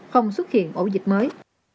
không xuất hiện ổ dịch mới